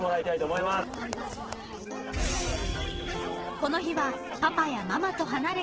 ［この日は］